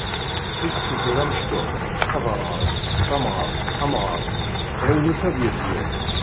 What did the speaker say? Mi d-tufiḍ amecṭuḥ, aderɣal, tamɣart, amɣar, ɛiwen-it ad yezger.